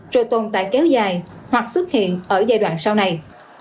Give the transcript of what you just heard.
rồi tồn tại kéo dài hoặc xuất hiện ở giai đoạn sau này